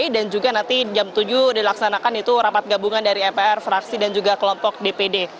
dan juga nanti jam tujuh dilaksanakan itu rapat gabungan dari mpr fraksi dan juga kelompok dpd